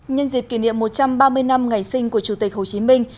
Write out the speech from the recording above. nhân dịp kỷ niệm một trăm ba mươi năm ngày sinh của chủ tịch hồ chí minh